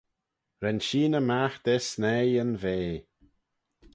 Ren sheeyney magh da snaie yn vea.